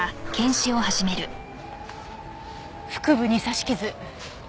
腹部に刺し傷。